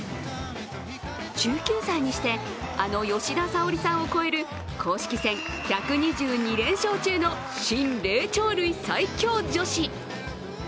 １９歳にして、あの吉田沙保里さんを超える公式戦１２２連勝中の新霊長類最強女子。